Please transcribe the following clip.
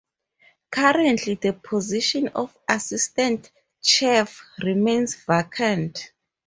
Currently the position of Assistant Chief remains vacant.